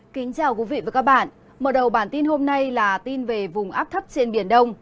kính chào quý vị và các bạn mở đầu bản tin hôm nay là tin về vùng áp thấp trên biển đông